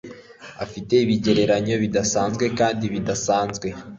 afite ibigereranyo bidasanzwe kandi bidasanzwe